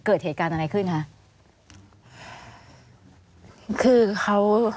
เกิดเหตุการณ์อะไรขึ้นคะ